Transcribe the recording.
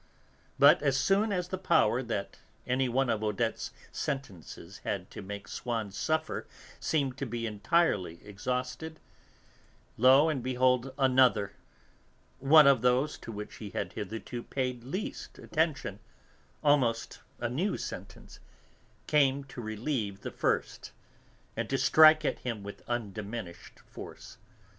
But, as soon as the power that any one of Odette's sentences had to make Swann suffer seemed to be nearly exhausted, lo and behold another, one of those to which he had hitherto paid least attention, almost a new sentence, came to relieve the first, and to strike at him with undiminished force.